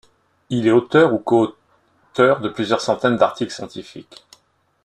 Il est auteur ou co-auteur de plusieurs centaines d'articles scientifiques.